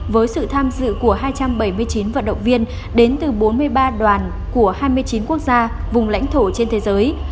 với sự tham dự của hai trăm bảy mươi chín vận động viên đến từ bốn mươi ba đoàn của hai mươi chín quốc gia vùng lãnh thổ trên thế giới